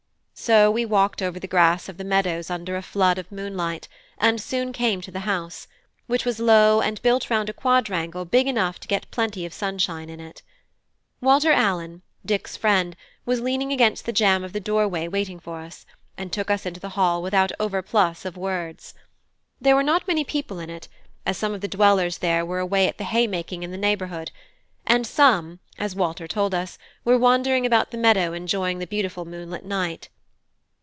So we walked over the grass of the meadows under a flood of moonlight, and soon came to the house, which was low and built round a quadrangle big enough to get plenty of sunshine in it. Walter Allen, Dick's friend, was leaning against the jamb of the doorway waiting for us, and took us into the hall without overplus of words. There were not many people in it, as some of the dwellers there were away at the haymaking in the neighbourhood, and some, as Walter told us, were wandering about the meadow enjoying the beautiful moonlit night.